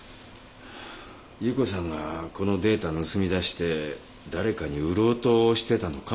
夕子さんがこのデータ盗み出して誰かに売ろうとしてたのかもしれません。